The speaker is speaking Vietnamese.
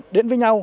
đến với nhau